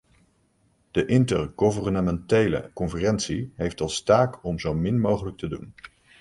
De intergouvernementele conferentie heeft als taak om zo min mogelijk te doen.